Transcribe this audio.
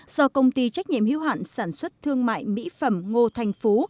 do công ty trách nhiệm hiếu hạn sản xuất thương mại mỹ phẩm ngô thành phú